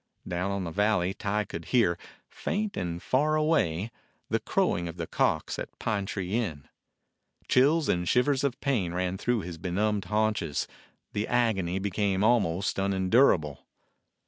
Down in the valley Tige could hear, faint and far away, the crowing of the cocks at Pine Tree Inn. Chills and shivers of pain ran through his be numbed haunches; the agony became almost unendurable.